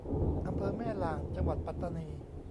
อำเภอแม่ลาน จังหวัดปัตตานี